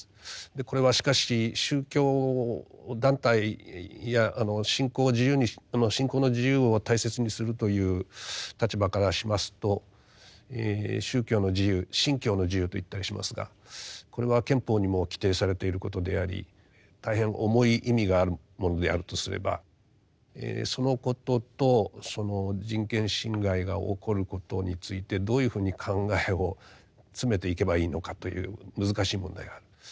これはしかし宗教団体や信仰の自由を大切にするという立場からしますと宗教の自由信教の自由と言ったりしますがこれは憲法にも規定されていることであり大変重い意味があるものであるとすればそのこととその人権侵害が起こることについてどういうふうに考えを詰めていけばいいのかという難しい問題がある。